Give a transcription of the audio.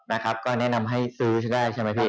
นะครับก็แนะนำให้ซื้อได้ใช่ไหมพี่